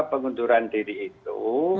pengunduran diri itu